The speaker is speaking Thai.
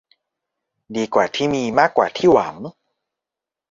ดีกว่าที่มีมากกว่าที่หวัง